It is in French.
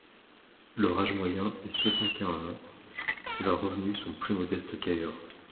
Leur âge moyen est soixante-et-un ans et leurs revenus sont plus modestes qu’ailleurs.